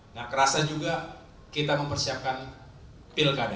nah kerasa juga kita mempersiapkan pilkada